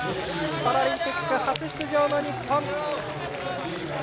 パラリンピック初出場の日本。